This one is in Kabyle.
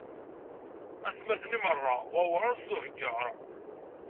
Atmaten imeṛṛa, wawras d uheggaṛ.